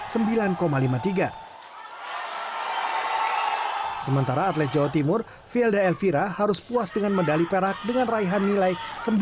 sementara atlet jawa timur fielda elvira harus puas dengan medali perak dengan raihan nilai sembilan